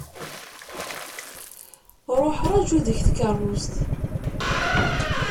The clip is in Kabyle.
Ṛuḥ ṛaju deg tkeṛṛust.